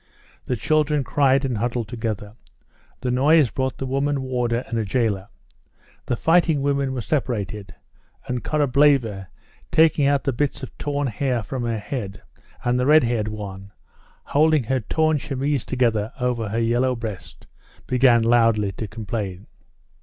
The children cried and huddled together. The noise brought the woman warder and a jailer. The fighting women were separated; and Korableva, taking out the bits of torn hair from her head, and the red haired one, holding her torn chemise together over her yellow breast, began loudly to complain.